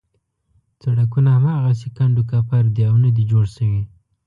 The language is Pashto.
سړکونه هماغسې کنډو کپر دي او نه دي جوړ شوي.